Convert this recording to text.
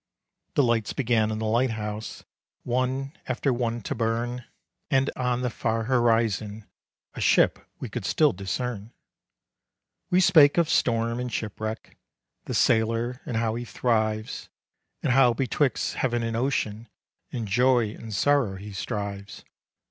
The lights began in the lighthouse One after one to burn, And on the far horizon A ship we could still discern. We spake of storm and shipwreck, The sailor and how he thrives, And how betwixt heaven and ocean, And joy and sorrow he strives.